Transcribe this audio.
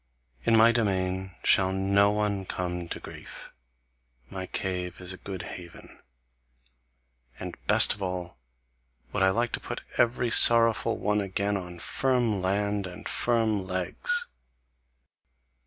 In my domain shall no one come to grief; my cave is a good haven. And best of all would I like to put every sorrowful one again on firm land and firm legs.